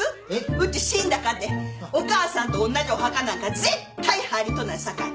うち死んだかてお母さんとおんなじお墓なんか絶対入りとうないさかい。